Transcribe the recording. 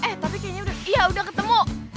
eh tapi kayaknya udah iya udah ketemu